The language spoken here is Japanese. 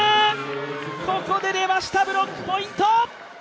ここで出ました、ブロックポイント！